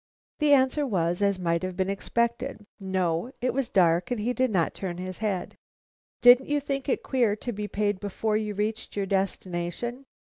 The answer was, as might have been expected, No. It was dark, and he had not turned his head. "Didn't you think it queer to be paid before you reached your destination?"